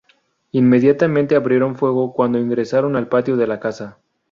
Inmediatamente abrieron fuego cuando ingresaron al patio de la casa.